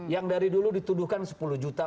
yang dari dulu dituduhkan sepuluh juta